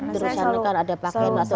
saya selalu yakin itu